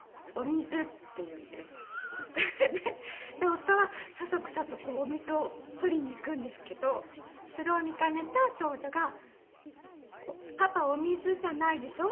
夫はそそくさとこうお水を取りに行くんですけどそれを見かねた長女が「“パパお水”じゃないでしょ？」。